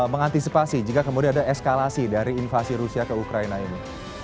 mengantisipasi jika kemudian ada eskalasi dari invasi rusia ke ukraina ini